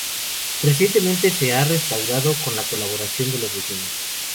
Recientemente se ha restaurado con la colaboración de los vecinos.